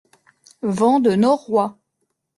Vent de noroît.